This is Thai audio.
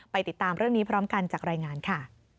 ติดตามเรื่องนี้พร้อมกันจากรายงานค่ะ